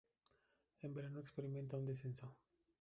En verano experimenta un descenso.